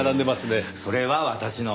それは私の。